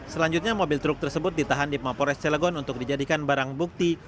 selanjutnya mobil truk tersebut ditahan di mapores cilegon untuk dijadikan barang bukti